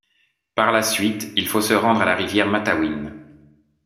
Par la suite, il faut se rendre à la rivière Matawin.